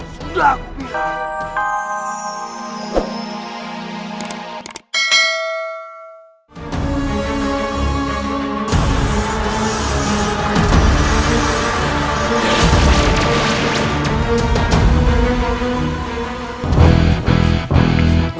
sudah aku bilang